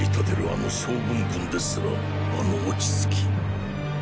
あの昌文君ですらあの落ち着き。